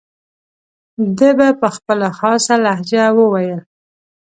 ده به په خپله خاصه لهجه وویل.